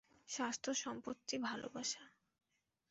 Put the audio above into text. স্বাস্থ্য, সম্পত্তি, ভালোবাসা।